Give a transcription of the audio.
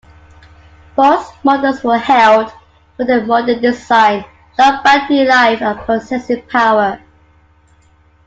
Both models were hailed for their modern design, long battery life, and processing power.